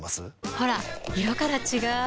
ほら色から違う！